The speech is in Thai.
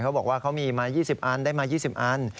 เขาบอกว่าเขามีมา๒๐อันได้มา๒๐อัน